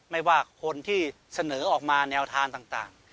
ไม่ว่าคนที่เสนอออกมาแนวทางต่าง